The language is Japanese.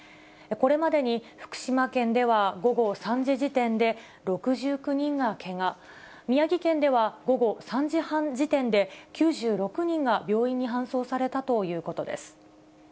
これまでに福島県では、午後３時時点で６９人がけが、宮城県では、午後３時半時点で９６人が病院に搬送されたということです。